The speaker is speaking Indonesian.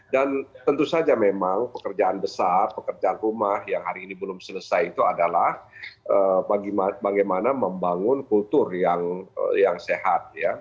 dan tentu saja memang pekerjaan besar pekerjaan rumah yang hari ini belum selesai itu adalah bagaimana membangun kultur yang sehat